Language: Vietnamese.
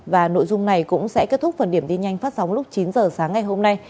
và nội dung này cũng sẽ kết thúc phần điểm đi nhanh phát sóng lúc chín giờ sáng ngày hôm nay